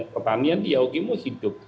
pertanian di yogyamu hidup